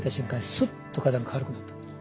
スッと肩が軽くなった。